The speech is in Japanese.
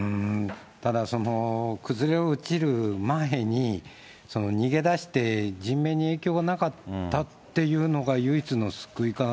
ただその崩れ落ちる前に逃げ出して、人命に影響がなかったというのが唯一の救いかな。